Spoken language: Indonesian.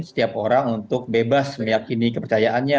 setiap orang untuk bebas meyakini kepercayaannya